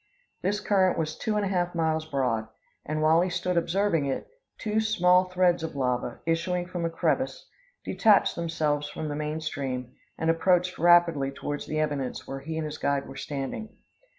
This current was two and a half miles broad; and, while he stood observing it, two small threads of lava, issuing from a crevice, detached themselves from the main stream, and approached rapidly towards the eminence where he and his guide were standing.